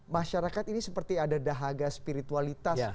masyarakat ini seperti ada dahaga spiritualitas